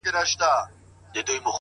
د غمي له زوره مست ګرځي نشه دی.